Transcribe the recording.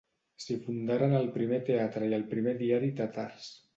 S'hi fundaren el primer teatre i el primer diari tàtars.